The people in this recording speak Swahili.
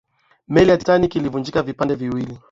meli ya titanic ilivunjika vipande viwili